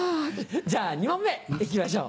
じゃあ２問目行きましょう。